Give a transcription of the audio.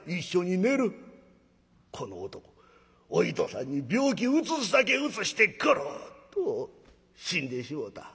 この男お糸さんに病気うつすだけうつしてゴロッと死んでしもた。